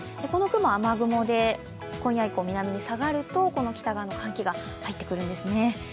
この雲、雨雲で今夜以降、南に下がるとこの北側の寒気が入ってくるんですね。